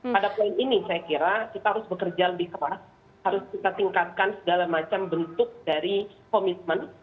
pada poin ini saya kira kita harus bekerja lebih keras harus kita tingkatkan segala macam bentuk dari komitmen